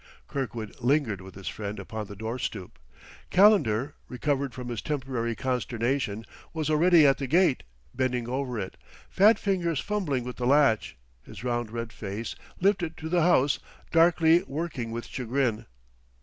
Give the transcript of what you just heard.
Kirkwood lingered with his friend upon the door stoop. Calendar, recovered from his temporary consternation, was already at the gate, bending over it, fat fingers fumbling with the latch, his round red face, lifted to the house, darkly working with chagrin.